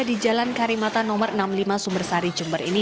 di jalan karimata no enam puluh lima sumbersari jember ini